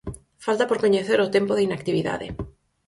Falta por coñecer o tempo de inactividade.